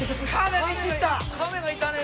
亀がいたね。